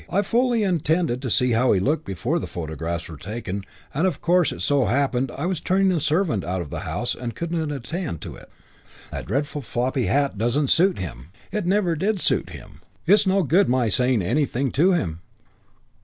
I fully intended to see how he looked before the photographs were taken and of course it so happened I was turning a servant out of the house and couldn't attend to it. That dreadful floppy hat doesn't suit him. It never did suit him. But he will wear it. It's no good my saying anything to him."